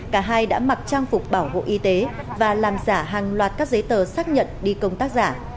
cả hai đã mặc trang phục bảo hộ y tế và làm giả hàng loạt các giấy tờ xác nhận đi công tác giả